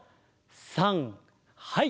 さんはい！